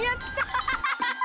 アハハハハ！